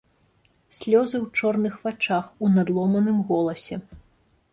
Слёзы ў чорных вачах, у надломаным голасе.